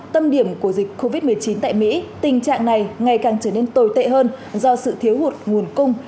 tâm điểm của dịch covid một mươi chín tại mỹ tình trạng này ngày càng trở nên tồi tệ hơn do sự thiếu hụt nguồn cung